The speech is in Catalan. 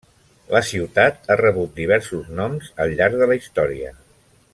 La ciutat ha rebut diversos noms al llarg de la història.